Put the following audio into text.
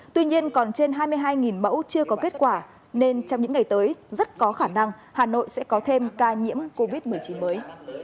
tuy nhiên còn trên hai mươi hai mẫu chưa có kết quả nên trong những ngày tới rất có khả năng hà nội sẽ có thêm ca nhiễm covid một mươi chín mới